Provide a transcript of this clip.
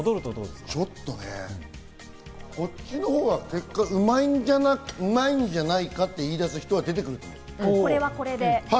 ちょっとね、こっちの方が結果、うまいんじゃないかって言い出す人が出てくると思う。